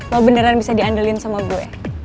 lo beneran bisa diandelin sama gue